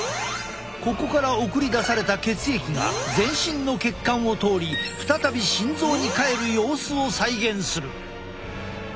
ここから送り出された血液が全身の血管を通り再び心臓に帰る様子を再現する。